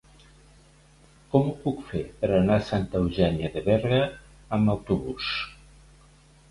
Com ho puc fer per anar a Santa Eugènia de Berga amb autobús?